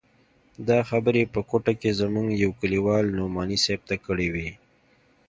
دا خبرې په کوټه کښې زموږ يوه کليوال نعماني صاحب ته کړې وې.